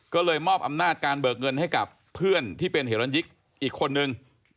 ก็เลยมอบอำนาจการเบิกเงินให้กับเพื่อนที่เป็นเหรันยิกอีกคนนึง